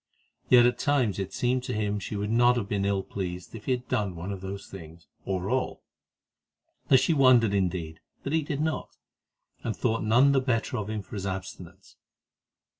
Yet at times it had seemed to him that she would not have been ill pleased if he had done one of these things, or all; that she wondered, indeed, that he did not, and thought none the better of him for his abstinence.